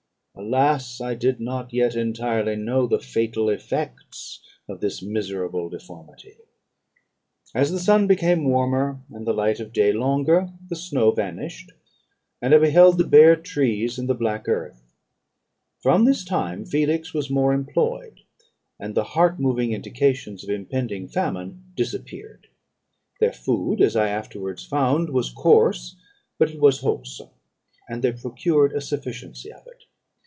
Alas! I did not yet entirely know the fatal effects of this miserable deformity. "As the sun became warmer, and the light of day longer, the snow vanished, and I beheld the bare trees and the black earth. From this time Felix was more employed; and the heart moving indications of impending famine disappeared. Their food, as I afterwards found, was coarse, but it was wholesome; and they procured a sufficiency of it.